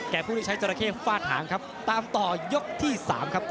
ผู้ที่ใช้จราเข้ฟาดหางครับตามต่อยกที่๓ครับ